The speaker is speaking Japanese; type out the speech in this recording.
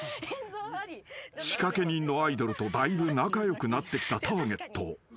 ［仕掛け人のアイドルとだいぶ仲良くなってきたターゲット］